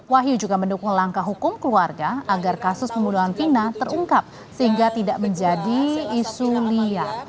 wahyu juga mendukung langkah hukum keluarga agar kasus pembunuhan pina terungkap sehingga tidak menjadi isu liar